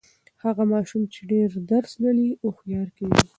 هغه ماشوم چې ډېر درس لولي، هوښیار کیږي.